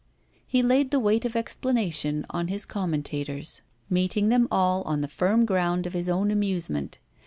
He laid the weight of explanation on his commentators, meeting them all on the firm ground of his own amusement.